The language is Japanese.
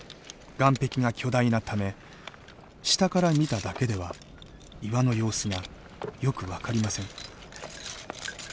岩壁が巨大なため下から見ただけでは岩の様子がよく分かりません。